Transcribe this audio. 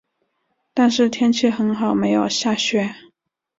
但是天气很好没有下雪